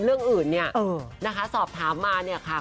เรื่องอื่นเนี่ยนะคะสอบถามมาเนี่ยค่ะ